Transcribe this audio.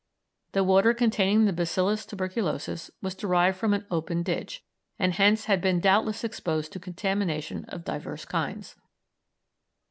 The water containing the bacillus tuberculosis was derived from an open ditch, and hence had been doubtless exposed to contamination of divers kinds.